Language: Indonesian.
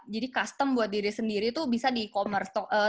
jadi custom buat diri sendiri tuh bisa di e commerce